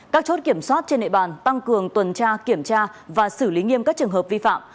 các chốt kiểm soát trên nệ bàn tăng cường tuần tra kiểm tra và xử lý nghiêm các trường hợp vi phạm